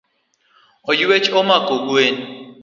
Oyuech omako gwen.